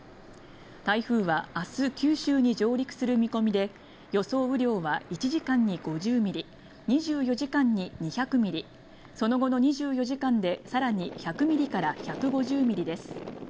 台風は明日九州に上陸する見込みで予想雨量は１時間に５０ミリ２４時間に２００ミリその後の２４時間でさらに１００ミリから１５０ミリです